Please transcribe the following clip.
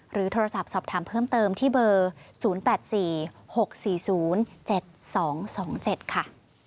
โทรศัพท์สอบถามเพิ่มเติมที่เบอร์๐๘๔๖๔๐๗๒๒๗ค่ะ